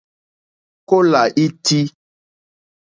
Kólà ítí.